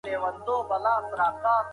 د مور پاملرنه د ماشوم روغتيا تضمينوي.